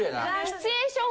シチュエーション。